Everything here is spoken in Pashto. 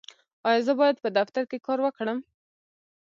ایا زه باید په دفتر کې کار وکړم؟